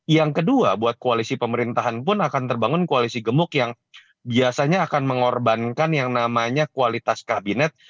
yang kedua buat koalisi pemerintahan pun akan terbangun koalisi gemuk yang biasanya akan mengorbankan yang namanya kualitas kabinet